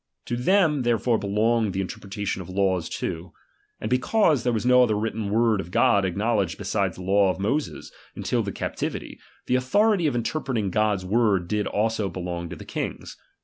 To them therefore belonged the interpretation of laws too. And because there was no other written word of God acknowledged beside the law of Moses, until the captivity ; the authority of inter preting Gods word did also belong to the kings.